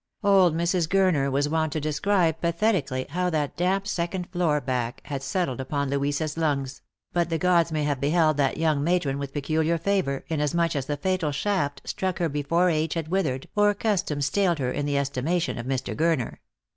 Old Mrs. Gurner was wont to describe pathetically how that damp second floor back had settled upon Louisa's lungs ; but the gods may have beheld that young matron with peculiar favour, inasmuch as the fatal shaft struck her before age had withered or custom staled her in the estimation of Mr. Gurner.